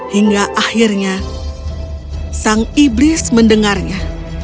hingga akhirnya sang iblis mendengarnya